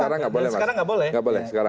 sekarang gak boleh mas